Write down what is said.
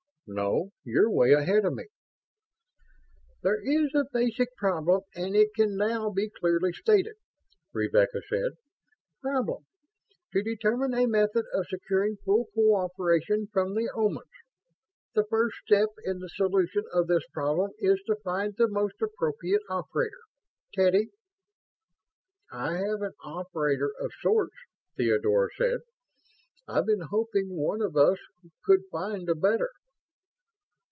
No, you're 'way ahead of me." "There is a basic problem and it can now be clearly stated," Rebecca said. "Problem: To determine a method of securing full cooperation from the Omans. The first step in the solution of this problem is to find the most appropriate operator. Teddy?" "I have an operator of sorts," Theodora said. "I've been hoping one of us could find a better."